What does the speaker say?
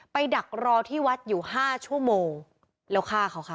ดักรอที่วัดอยู่ห้าชั่วโมงแล้วฆ่าเขาค่ะ